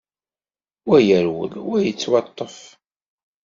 Wa yerwel, wa yettwaṭṭef.